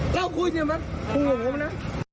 เล่าคุยเถียงแบบคุยกับผมนะ